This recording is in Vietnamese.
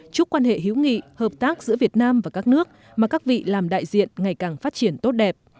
chúc quan hệ hữu nghị hợp tác giữa việt nam và các nước mà các vị làm đại diện ngày càng phát triển tốt đẹp